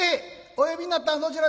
お呼びになったんはどちらで？」。